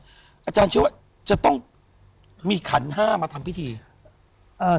อาจารย์เชื่อว่าจะต้องมีขันห้ามาทำพิธีเอ่อ